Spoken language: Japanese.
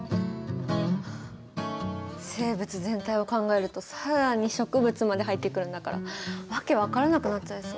生物全体を考えると更に植物まで入ってくるんだから訳分からなくなっちゃいそう。